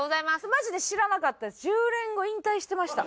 マジで知らなかったです。